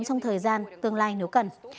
trong thời gian tương lai nếu cần